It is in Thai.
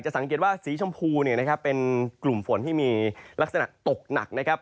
จะสังเกตว่าสีชมพูเป็นกลุ่มฝนที่มีลักษณะตกหนัก